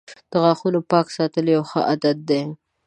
• د غاښونو پاک ساتل یوه ښه عادت دی.